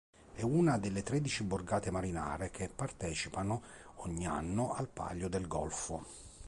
È una delle tredici borgate marinare che partecipano ogni anno al Palio del Golfo.